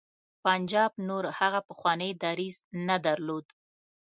پنجاب نور هغه پخوانی دریځ نه درلود.